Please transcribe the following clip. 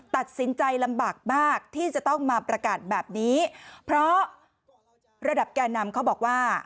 ตัดสินใจลำบากมากที่จะต้องมาประกาศแบบนี้เพราะระดับแก่นำเขาบอกว่า